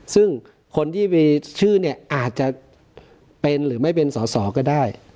ซึ่งคนที่มีชื่อเนี่ยอาจจะเป็นหรือไม่เป็นสอสอก็ได้